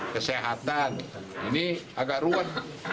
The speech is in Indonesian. kesehatan ini agak ruwet